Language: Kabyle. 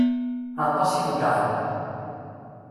Aṭas i ḍeyyεen.